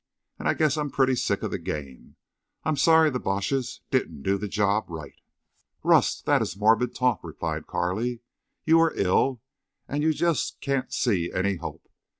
And I guess I'm pretty sick of the game. I'm sorry the Boches didn't do the job right." "Rust, that is morbid talk," replied Carley. "You're ill and you just can't see any hope.